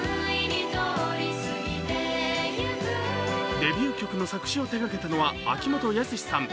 デビュー曲の作詞を手がけたのは秋元康さん。